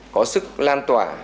có sức lan tỏa